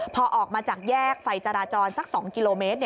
พอออกมาจากแยกไฟจราจรสัก๒กิโลเมตร